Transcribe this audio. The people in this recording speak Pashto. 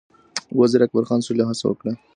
وزیر اکبرخان سولې هڅه وکړه